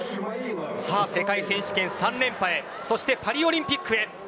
世界選手権３連覇へそして、パリオリンピックへ。